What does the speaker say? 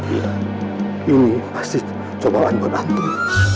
ini pasti cobaan berantem